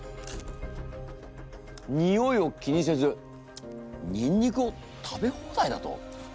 においを気にせずニンニクを食べ放題だと？